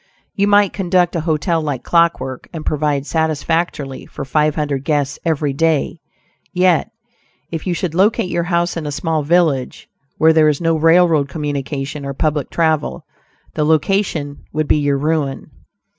You might conduct a hotel like clock work, and provide satisfactorily for five hundred guests every day; yet, if you should locate your house in a small village where there is no railroad communication or public travel, the location would be your ruin.